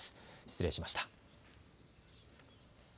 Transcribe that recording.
失礼しました。